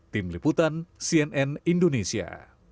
tim liputan cnn indonesia